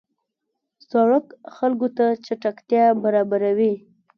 سړک خلکو ته چټکتیا برابروي.